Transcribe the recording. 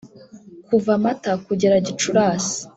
kuva mata kugera gicurasi,